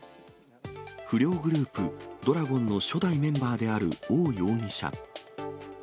不良グループ、怒羅権の初代メンバーである汪容疑者。